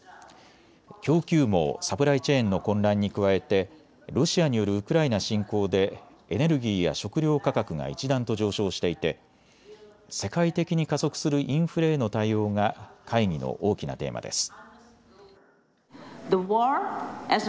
供給網・サプライチェーンの混乱に加えてロシアによるウクライナ侵攻でエネルギーや食料価格が一段と上昇していて世界的に加速するインフレへの対応が会議の大きなテーマです。